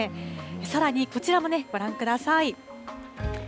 さらにこちらもご覧ください。